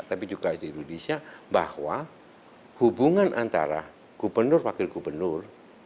tapi juga di indonesia bahwa hubungan antara gubernur wakil gubernur